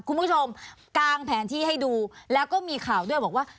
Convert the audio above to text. คุณผู้ชมกางแผนที่ให้ดูแล้วก็มีข่าวด้วยบอกว่า